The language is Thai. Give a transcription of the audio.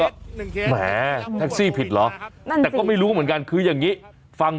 ใช่ปันยีไส้ไม่ดีนี่อ่ะฟรี